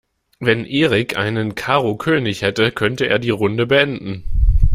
Wenn Erik einen Karo-König hätte, könnte er die Runde beenden.